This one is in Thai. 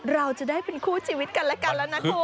เราจะได้เป็นคู่ชีวิตกันและกันแล้วนะคุณ